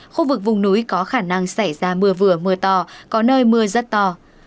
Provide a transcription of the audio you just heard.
khu vực vùng núi có khả năng xảy ra mưa vừa mưa to có nơi mưa rất to